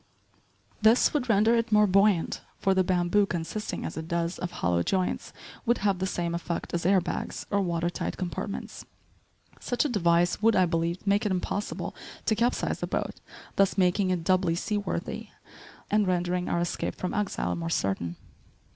This would render it more buoyant, for the bamboo, consisting as it does of hollow joints, would have the same effect as air bags, or water tight compartments. Such a device would, I believed, make it impossible to capsize the boat, thus making it doubly seaworthy and rendering our escape from exile more certain.